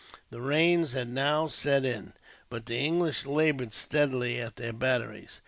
The rains had now set in, but the English laboured steadily at their batteries.